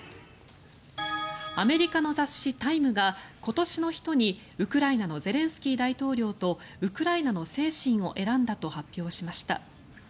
アメリカの雑誌「タイム」が今年の人にウクライナのゼレンスキー大統領とウクライナの精神を選んだと発表しました。